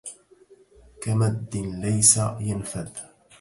كمد ليس ينفد